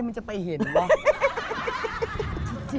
คนใหม่จะไปเห็นเหรอ